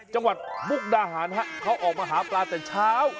มุกดาหารเขาออกมาหาปลาแต่เช้า